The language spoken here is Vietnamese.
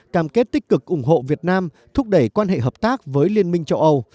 cam kết tích cực ủng hộ việt nam thúc đẩy quan hệ hợp tác với liên minh châu âu